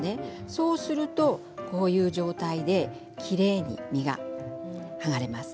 そうすると、こういう状態できれいに身が剥がれます。